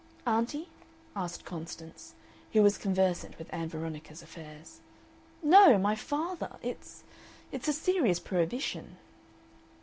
"Auntie?" asked Constance, who was conversant with Ann Veronica's affairs. "No! My father. It's it's a serious prohibition."